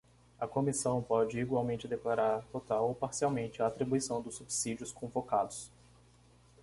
A comissão pode igualmente declarar, total ou parcialmente, a atribuição dos subsídios convocados.